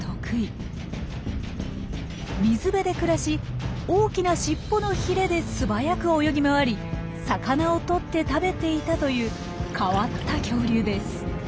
水辺で暮らし大きな尻尾のひれで素早く泳ぎ回り魚をとって食べていたという変わった恐竜です。